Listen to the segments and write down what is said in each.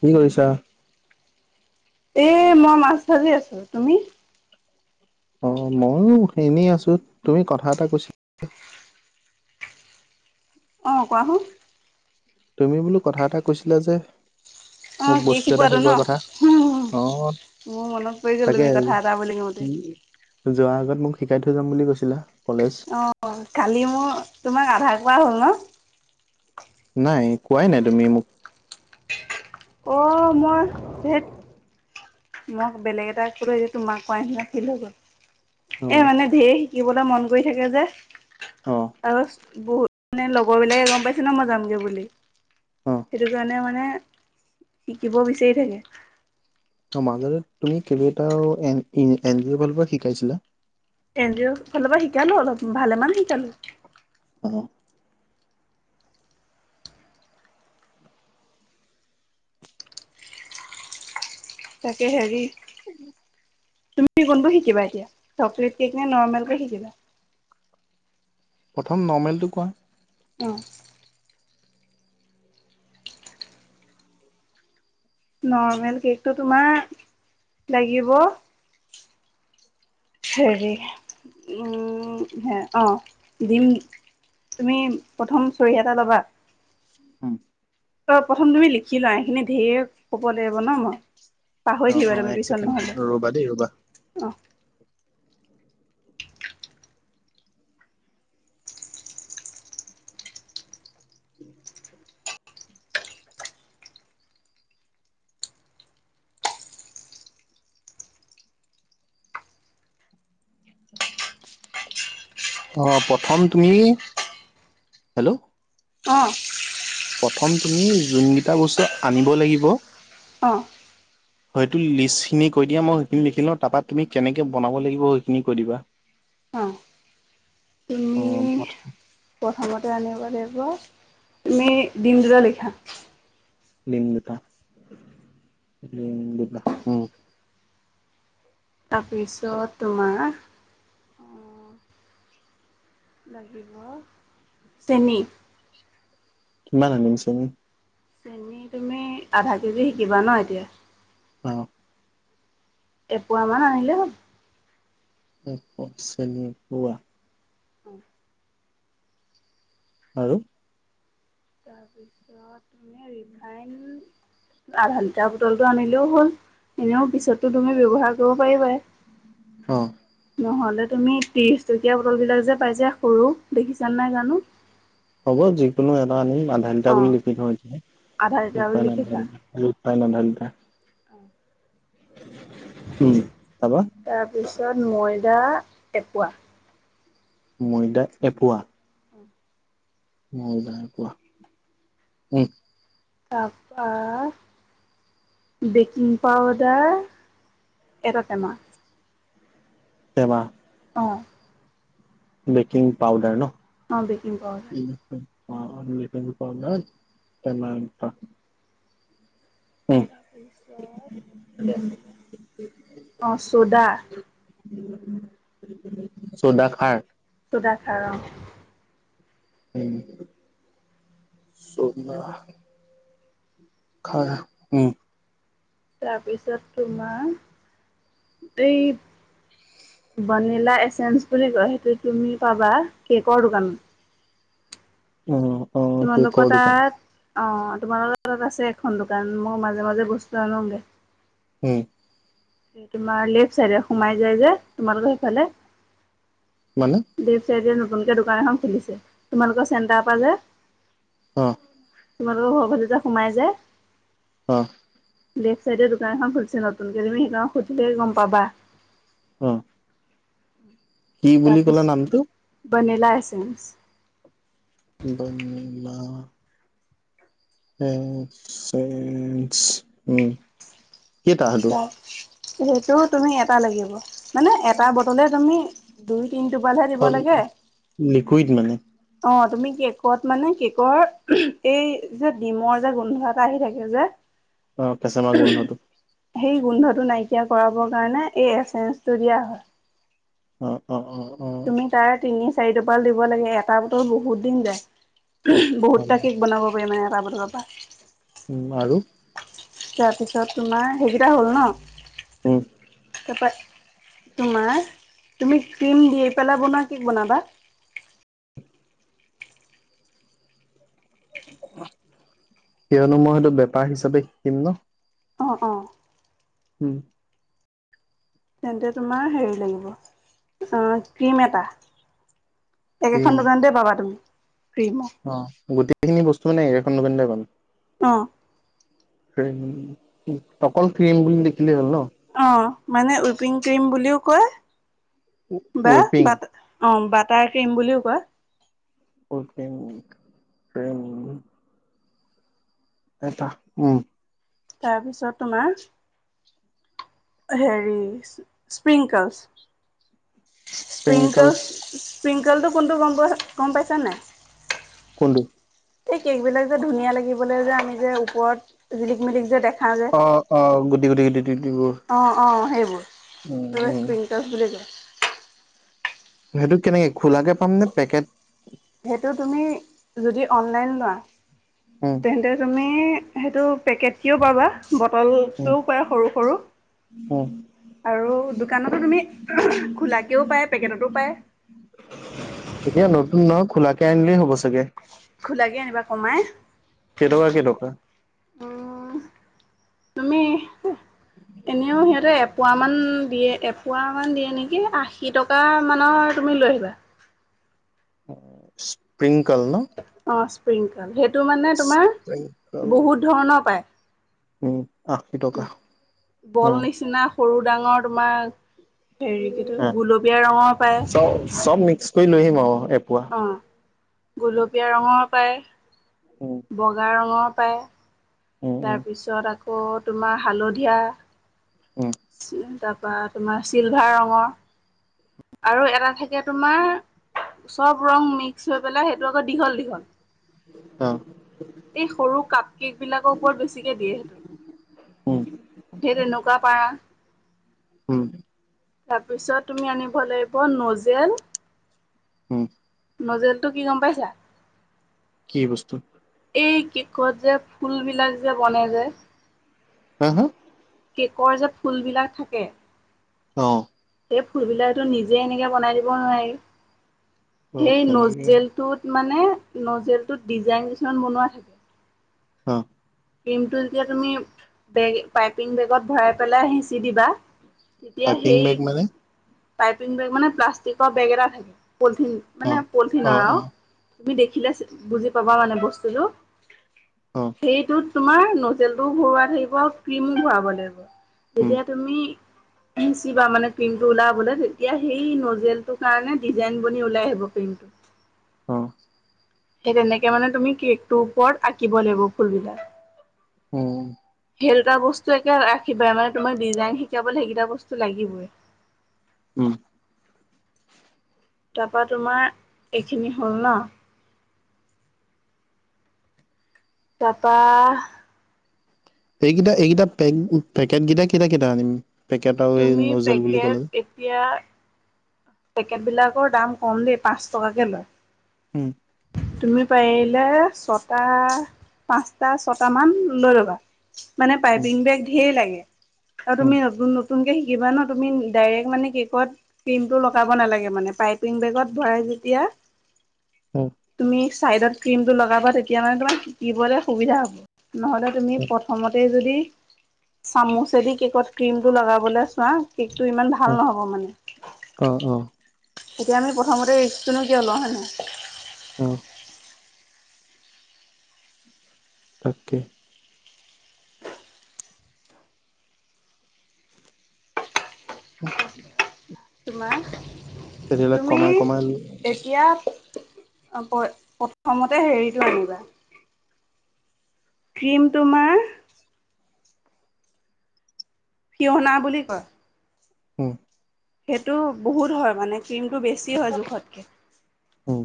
কি কৰিছা? এ মই মাছ ভাজি আছোঁ, তুমি? অ, ময়ো এনেই আছোঁ, তুমি কথা এটা কৈছ আহ, কোৱাহুন তুমি বোলো কথা এটা কৈছিলা যে। অ, মোক কি বস্তু এটা শকোৱাটো ন? শিকোৱাৰ কথা। অ মোৰ মনত পৰি গ'ল তাকে তুমি কথা এটা বুলি কওঁতেই। যোৱাৰ আগত মোক শিকাই থৈ যাম বুলি কৈছিলা। কলেজ। অ, কালি মোৰ তোমাক আধা কোৱা হ'ল ন? নাই কোৱাই নাই তুমি মোক। অ, মই ধেত মোক বেলেগ এটা ক যে তোমাক কোৱা নিচিনা ফিল হৈ গ'ল অ এ মানে ধেৰ শিকিবলৈ মন কৰি থাকে যে অ আৰু বহুত মানে লগৰ বিলাকে গম পাইছে ন মই যামগে বুলি। অ সেইটো কাৰণে মানে শিকিব বিচাৰি থাকে। মাজতে তুমি এটা এ ফালৰ পৰা শিকাইছিলা। এন যি ঔ ফালৰ পৰা শিকালোঁ অলপ ভালে মান শিকালোঁ। অ, তাকে, হেৰি তুমি কোনটো শিকিবা এতিয়া চকলে কেক নে নৰ্মেলকৈ শিকিবা? প্ৰথম নৰ্মেলটো কোৱা। অ, নৰ্মেল কেকটো তোমাৰ লাগিব হৰি উম, হ অ, দিম তুমি প্ৰথম চৰি এটা ল'বা, উম, অ, প্ৰথম তুমি লিখি লোৱা সখিনি ঢেৰ ক'ব লাগিব ন' মই। অ পাহৰি অ থাকিবা তুমি এক পিছত ছেকেণ্ড ৰবা দেই ৰবা। নহলে। অ, অ, প্ৰথম তুমি, হেল্ল' অ প্ৰথম তুমি যোনকিটা বস্তু আনিব লাগিব অ হয়তো লিষ্টখিনি কৈ দিয়া মই সেইখিনি লিখি লওঁ তাৰপা তুমি কেনেকে বনাব লাগিব সেইখিনি কৈ দিবা। অ, তুমি অ, [unintelligible] প্ৰথমতে আনিব লাগিব, তুমি দম দুটা লিখা। দিম দুটা, দিম দুটা, অ, তাৰপিছত, তোমাৰ, অ, লাগিব, চেনি। কিমান আনিম চেনি? চেনি তুমি, আধা কেজি শিকিবা ন এতিয়া? অ, এপোৱা মান আনিলেই হল। [unintelligible] [unintelligible] আৰু? তাৰপিছত তুমি ৰিফাইন আধা লিটাৰ বটলটো আনিলেও হ'ল, এনেও পিছতো তুমি ব্যৱহাৰ কৰিব পাৰিবাই। অ, নহ'লে তুমি ত্ৰিশ টকীয়া বটল বিলাক যে পাইছা সৰু, দেখিছান নাই জানো। হ'ব যিকোনো এটা আনিম আধালিটাৰ অঁ বুলি [unintelligible] আধা লিটাৰ বুলি ৰিফাইন লিখি আধা লিটাৰ। অ'। উম, হেল্ল'। [unintelligible] ময়দা এপোৱা। ময়দা এপোৱা। অ'। ময়দা এপোৱা, উম। তাৰপৰা বেকিং পাউদাৰ এটা টেমা। টেমা। অ'। বেকিং পাউডাৰ ন'। অ' বেকিং পাউডাৰ। অ', অ', বেকিং পাউডাৰ টেমা এটা। তাৰপিছত কি আছিলে অ' চোদা। চৌদা খাৰ। চৌদা খাৰ অ'। উম, চৌদা। খাৰ উম। তাৰপিছত তোমাৰ এই ভনিলা এচেঞ্চ বুলি কয় সেইটো তুমি পাবা কেকৰ দোকানত। অ'। কেকৰ তোমালোকৰ দোকান তাত অ' তোমাৰ লগত তাত আছে এখন দোকান মই মাজে মাজে বস্তু আনোগে। উম। তোমাৰ লেফ্ট চাইডে সোমাই যায় যে তোমালোকৰ সেইফালে। মানে লেফ্ট চাইডে নতুনকে দোকান এখন খুলিছে তোমালোকৰ চেটাৰ পৰা যে। অ'। তোমালোকৰ ঘৰ ফালে যে সোমাই যায়। অ'। লেফ্ট চাইডে দোকান এখন খুলিছে নতুনকে তুমি সেইখনক সুধিলে গ'ম পাবা। অ'। কি বুলি ক'লা নামটো? ভনিলা এচেঞ্চ। বনিলা এচেঞ্চ উম, কেইটা সেটো। সেইটোও তুমি এটা লাগিব। মানে এটা বটলে তুমি দুই তিনি টোপালহে দিব লাগে। লিকুইড মানে অ' তুমি কেকত মানে কেকৰ, এই যে ডিমৰ যে গোন্ধ এটা আহি থাকে যে। অ' [unintelligible] গোন্ধটো। সেই গোন্ধটো নাইকিয়া কৰাবৰ কাৰণে এই এচেঞ্চটো দিয়া হয়। অ', অ'। অ অ তুমি তাৰ তিনি চাৰি টোপাল দিব লাগে এটা বটল বহুত দিন যায়। হ'ব বহুতটা কেক বনাব পাৰি মানে এটা বটলৰ পৰা। উম, আৰু। তাৰপিছত তোমাৰ সেইকেইটা হ'ল উম ন', তাৰপৰ তোমাৰ, তুমি ক্ৰীম দি পেলাই বনোৱা কেক বনাবা। কিয়নো মই সেইটো বেপাৰ হিচাপে কিনো ন'। অ', অ'। উম। তেন্তে তোমাৰ হেৰি লাগিব, অ' ক্ৰীম এটা। ক্ৰীম একেখন দোকানতে পাবা তুমি। ক্ৰীম অ, গোটেইখিনি বস্তু মানে এইখন নবেনাই ব অ'। তকল ফিলম বুলি দেখিলে হ'ল ন। অ, মানে উইপিং, ক্ৰীম বুলিও কয়। বা ৱেপিং বাট অ, বাটাহ কম বুলিও কোৱা। অটিন, ট্ৰম। এটা, উম। তাৰপিছত তোমাৰ? হেৰি স্প্ৰিংকললছ। স্পিং, স্প্ৰিংকলছ স্প্ৰিংকলটো কোনটো গম পাইছ নে। কটো। এই কেক বিলাক যে ধুনীয়া লাগিবলৈ যে আমি যে ওপৰত জিলিক মিলিক যে দেখ অ', অ', গোটি, গুটি গ অ', অ', উম উম সেইবোৰ বুলি কয়। সেইটো কেনেকে খোলাকে পাম নে, পেকেট। সেইটো তুমি যদি অনলাইন লোৱা উম তেন্তে তুমি সেইটো পেকেট কও পাবা। উম বটলটোও পায় সৰু, সৰু উম আৰু দোকানতো তুমি খোলাকেও পায়, পেকেটতো পায়। এতিয়া নতুন, নহ, খোলাকে আনিলেই হ'ব চাগে। খোলাকে আনিবা, কমাই। কেইটকা, কেইটকা? উম, তুমি এনেও সিহঁতে এপুৱা মান দিয়ে এপোৱা মান দিয়ে নেকি? আশী টকা মানৰ তুমি লৈ আহিবা। স্প্ৰিংকল ন'? স্পিংকল সেইটো মানে তোমাৰ স্প্ৰিংকল বহুত ধৰণৰ পায়। উম। আশী টকা বল উম নিচিনা সৰু-ডাঙৰ তোমাৰ হেৰিকিতো হা। গুলপীয়া ৰঙৰ চব পায়। চব মিক্স কৰি লৈ আহিম আৰু এপোৱা অ, গুলপীয়া ৰঙৰ পায়, উম বগা ৰঙৰ পায় উম উম তাৰপিছত, আকৌ তোমাৰ হালধীয়া উম তাৰ পা, তোমাৰ চিলভাৰ ৰঙৰ, আৰু এটা থাকে তোমাৰ। চব ৰং, মিক্স হৈ পেলাই সেইটো আকৌ দীঘল, দীঘল। অ এই সৰু কাপ কেকবিলাকৰ ওপৰত বেছিকে দিয়ে সেইটো। উম সেই তেনেকুৱা পাৰা। উম তাৰপিছত তুমি আনিব লাগিব নজেল উম। নজেলটো কি গম পাইছা? কি বস্তু? এই কেকত যে ফুল বিলাক যে বনাই যে হা-হা? কেকৰ যে ফুল বিলাক থাকে। অ'। সেই ফুলবিলাহটো নিজে এনেকে বনাই দিব নোৱাৰি অ সেই তেনেকে নজেজেলটোত মানে নজেলটোত ডিজাইন কিছুমান বনোৱা থাকে। অ'। ক্ৰীমটো যেতিয়া তুমি বেগ পাইপিং বেগত ভৰাই পেলাই হেচি দিবা। তেতিয়া পাইপিং সেই বেগ মানে? পাইপিং বেগ মানে প্লাষ্টিকৰ বেগ এটা থাক, পলিথিন অ মানে অ পলিথিনৰ অ আৰু তুমি দেখিলে চি-বুজি পাবা মানে বস্তুটো। অ সেইটোত তোমাৰ নজেলটোও ভৰোৱা থাকিব ক্ৰীমো ভৰাব লাগিব। উম তেতিয়া তুমি হেচিবা মানে ক্ৰীমটো ওলাবলে তেতিয়া সেই নজেলটোৰ কাৰণে ডিজাইন বনি ওলাই আহিব ক্ৰীম অ'। এই তেনেকে মানে তুমি কেকটোৰ ওপৰত আঁকিব লাগিব ফুলবিলাক। উম। সেই দুটা বস্তু একে ৰাখিবা, মানে তোমাক ডিজাইন শিকাবলৈ সেইকেইটা বস্তু লাগিবই। উম। তাপা তোমাৰ এইখিনি হ'ল ন'? তাৰপা এইকেইটা-এইকেইটা পেং-পেকেটকেইটা কেইটা কেইটা আনিম? পেকেট আৰু এই তুমি নজেল বুলি ক'লে পেকেট যে এতিয়া পেকেটবিলাকৰ দাম কম দেই, পাঁচ টকাকে লয় উম। তুমি পাৰিলে ছটা, পাঁচটা-ছটা মান লৈ ল'বা। মানে উম পাইপিং বেগ ঢেৰ লাগে। আৰু উম তুমি নতুন-নতুন কে সিকিবা ন'? তুমি ডাইৰেক মানে কেকত ক্ৰীমটো ল [unintelligible] নালাগে মানে পাইপিং বেগত ভৰাই যেতিয়া, অ তুমি চাইডত ক্ৰিমটো লগাবা তেতিয়া মানে তোমাৰ শিকিবলৈ সুবিধা হ'ব। নহ'লে তুমি প্ৰথমতেই যদি চামুচেদি কেকত ক্ৰীমটো লগাবলে চোৱা, কেকটো ইমান ভাল নহ'ব মানে। অ অ অ এতিয়া আমি প্ৰথমতে ৰিস্কটোনো কিয় লওঁ, হয়নে নহয়? উম। তাকে। [unintelligible] তোমাৰ তেতিয়াহ'লে তুমি কমাই-কমাই লৈ এতিয়া, আ-প্ৰ-প্ৰথমতে হেৰিটো আনিবা ক্ৰীম তোমাৰ ফিহনা বুলি কয়। উম। সেইটো বহুত হয় মানে ক্ৰীমটো বেছি হয় জোখতকে। উম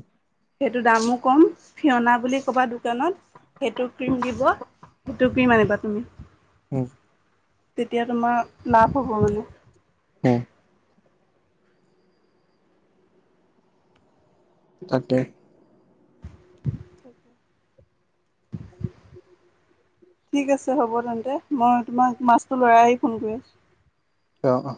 সেইটো দামো কম, ফিয়না বুলি ক'বা দোকানত, সেইটো ক্ৰীম দিব, সেইটো ক্ৰীম আনিবা তুমি। উম। তেতিয়া তোমাৰ লাভ হ'ব মানে। উম তাকে। [inaudible] ঠিক আছে হ'ব তেন্তে। মই তোমাক মাছটো লৰাই আহি ফোন কৰি আছোঁ। অ, অ।